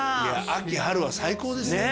秋春は最高ですね。